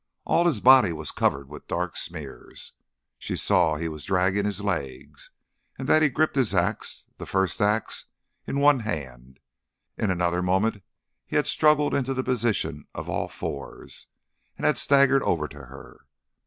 All his body was covered with dark smears. She saw he was dragging his legs, and that he gripped his axe, the first axe, in one hand. In another moment he had struggled into the position of all fours, and had staggered over to her.